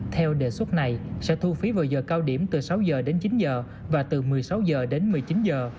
theo đề xuất này xe thu phí vào giờ cao điểm từ sáu h đến chín h và từ một mươi sáu h đến một mươi chín h